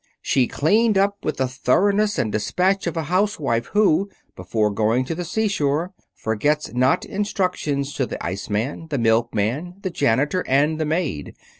She cleaned up with the thoroughness and dispatch of a housewife who, before going to the seashore, forgets not instructions to the iceman, the milkman, the janitor, and the maid.